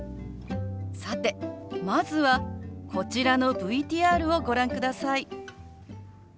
さてまずはこちらのＶＴＲをご覧ください。